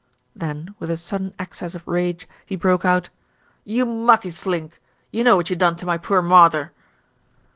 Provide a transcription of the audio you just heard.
Then, with a sudden access of rage he broke out, "You mucky slink. You know what you done to my poor mawther."